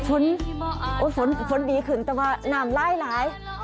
ฝนอ้อฝนฝนดีขึ้นแต่ว่านามไลนี่หลาย